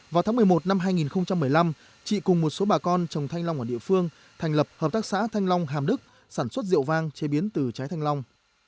vào tháng một mươi một năm hai nghìn một mươi năm chị cùng một số bà con trồng thanh long ở địa phương thành lập hợp tác xã thanh long hàm đức sản xuất rượu vang chế biến từ trái thanh long